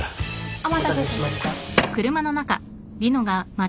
お待たせしました。